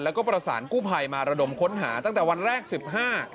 แล้วก็ประสานกู้ภัยมาระดมค้นหาตั้งแต่วันแรกสิบห้า